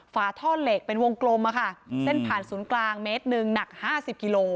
ฝาท่อเหล็กเป็นวงกลมเส้นผ่านศูนย์กลางเมตรหนึ่งหนัก๕๐กิโล